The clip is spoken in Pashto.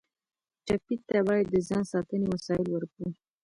ټپي ته باید د ځان ساتنې وسایل ورکړو.